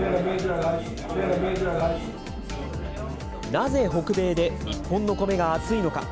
なぜ北米で日本のコメが熱いのか。